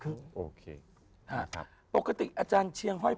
พระพุทธพิบูรณ์ท่านาภิรม